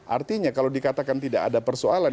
artinya kalau dikatakan tidak ada persoalan